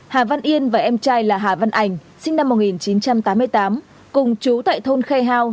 hà văn yên và em trai là hà văn ảnh sinh năm một nghìn chín trăm tám mươi tám cùng chú tại thôn khe hao